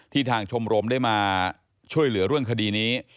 ทางชมรมได้มาช่วยเหลือเรื่องคดีนี้